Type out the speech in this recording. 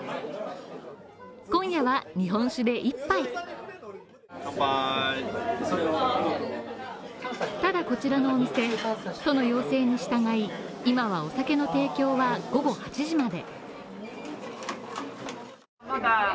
今夜は日本酒で一杯ただこちらのお店、都の要請に従い、今はお酒の提供は午後８時まで。